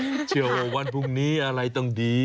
มีวันพรุ่งนี้อะไรต้องดี